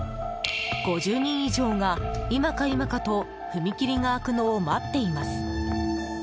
５０人以上が、今か今かと踏切が開くのを待っています。